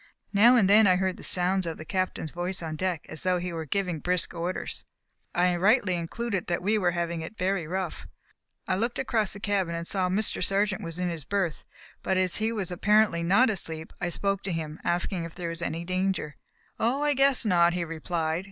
Now and then I heard the sound of the Captain's voice on deck as though he were giving brisk orders; and I rightly concluded that we were having it very rough. I looked across the cabin and saw that Mr. Sargent was in his berth, but as he was apparently not asleep I spoke to him, asking if there was any danger. "Oh, I guess not," he replied.